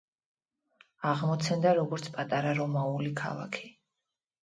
აღმოცენდა როგორც პატარა რომაული ქალაქი.